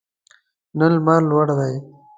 نن لمر لوړ دی